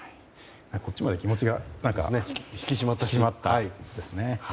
こっちまで気持ちが引き締まりましたね。